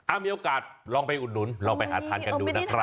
มีโอกาสลองไปอุดหนุนลองไปหาทานกันดูนะครับ